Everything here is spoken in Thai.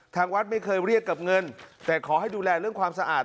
ทางวัดไม่เคยเรียกกับเงินแต่ขอให้ดูแลเรื่องความสะอาด